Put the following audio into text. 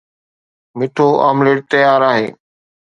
مٺو آمليٽ تيار آهي